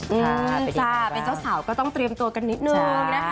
ใช่จ้าเป็นเจ้าสาวก็ต้องเตรียมตัวกันนิดนึงนะคะ